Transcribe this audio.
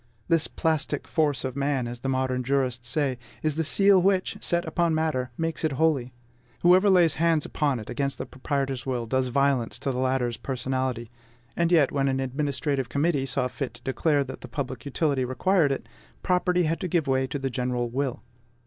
This plastic force of man, as the modern jurists say, is the seal which, set upon matter, makes it holy. Whoever lays hands upon it, against the proprietor's will, does violence to the latter's personality. And yet, when an administrative committee saw fit to declare that public utility required it, property had to give way to the general will.